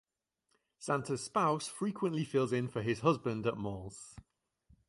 Santa’s spouse frequently fills in for his husband at malls.